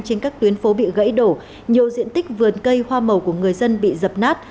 trên các tuyến phố bị gãy đổ nhiều diện tích vườn cây hoa màu của người dân bị dập nát